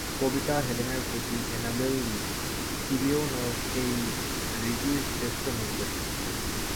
কবিতা হেলেনের প্রতি, এনাবেল লি, ইলেওনোরা এই রীতির শ্রেষ্ঠ নিদর্শন।